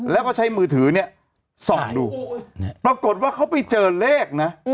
แล้วก็ใช้มือถือเนี่ยส่องดูปรากฏว่าเขาไปเจอเลขนะ